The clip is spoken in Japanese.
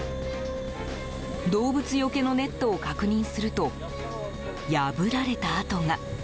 動物よけのネットを確認すると破られた跡が。